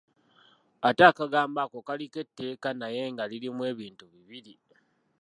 Ate akagambo ako kaliko etteeka naye nga lirimu ebintu bibiri.